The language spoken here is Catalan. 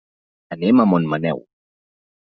Anem a Montmaneu.